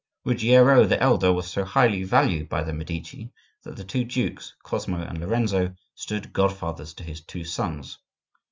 Ruggiero the elder was so highly valued by the Medici that the two dukes, Cosmo and Lorenzo, stood godfathers to his two sons.